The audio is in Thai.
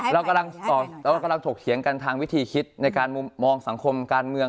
เรากำลังถกเถียงกันทางวิธีคิดในการมองสังคมการเมือง